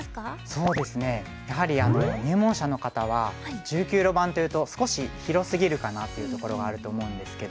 そうですねやはり入門者の方は１９路盤というと少し広すぎるかなというところがあると思うんですけど。